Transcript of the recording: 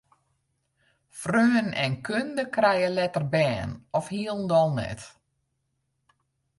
Freonen en kunde krije letter bern of hielendal net.